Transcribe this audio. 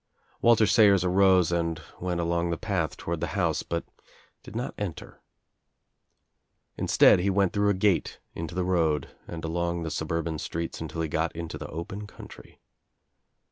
Walter Sayers arose and went along the path toward the house but did not enter. Instead he went through a gate Into the road and along the suburban streets until he got into the open country.